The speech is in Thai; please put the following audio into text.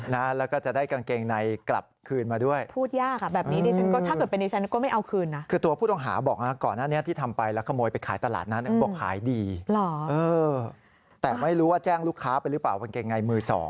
แล้วก็จะได้กางเกงในกลับคืนมาด้วย